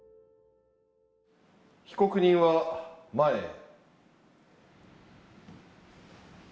被告人は前へ。